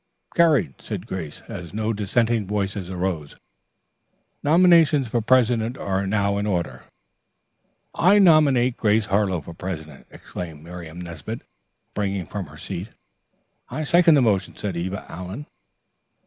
'" "Carried," said Grace, as no dissenting voices arose. "Nominations for president are now in order." "I nominate Grace Harlowe for president," exclaimed Miriam Nesbit, springing from her seat. "Second the motion," said Eva Allen.